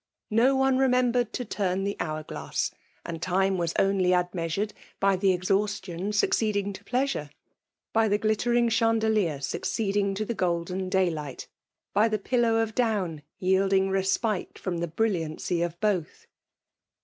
No one remem bered to turn the hour glass; and time was only admeasured by the exhaustion succeeding to pleasure — ^by the glittering chandelier suc ceeding to the golden daylight — by the pillow of down yielding respite from the briUiancy of both.